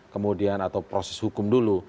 kemudian atau proses hukum dulu